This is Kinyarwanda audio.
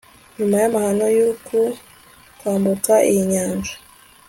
nyuma y'amahano y'uku kwambuka, iyinyanja